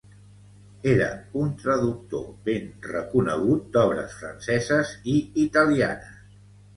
Era un traductor ben reconegut d’obres franceses i italianes.